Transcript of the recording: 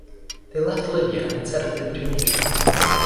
They left Libya and settled in Tunisia.